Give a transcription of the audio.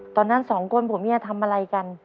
ตอนนั้นสองคนผัวเมียทำอะไรกัน